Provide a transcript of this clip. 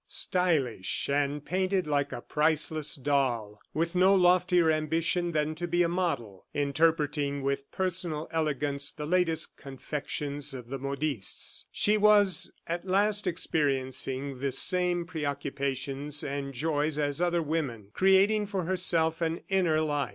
Stylish and painted like a priceless doll, with no loftier ambition than to be a model, interpreting with personal elegance the latest confections of the modistes, she was at last experiencing the same preoccupations and joys as other women, creating for herself an inner life.